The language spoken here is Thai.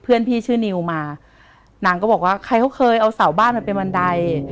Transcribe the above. เพื่อนพี่ชื่อนิวมานางก็บอกว่าใครเขาเคยเอาเสาบ้านมันเป็นบันได